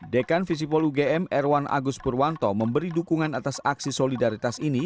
dekan visipol ugm erwan agus purwanto memberi dukungan atas aksi solidaritas ini